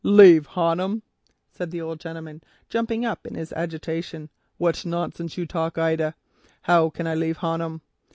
"Leave Honham!" said the old gentleman, jumping up in his agitation; "what nonsense you talk, Ida. How can I leave Honham?